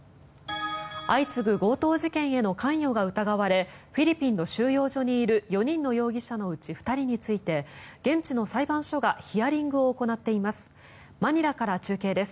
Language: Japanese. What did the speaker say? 相次ぐ強盗事件への関与が疑われフィリピンの収容所にいる４人の容疑者のうち２人について現地の裁判所がヒアリングを行っています。